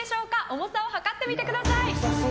重さを量ってみてください。